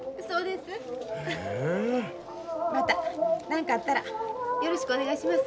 また何かあったらよろしくお願いします。